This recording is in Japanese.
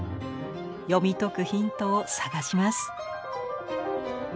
読み解くヒントを探します。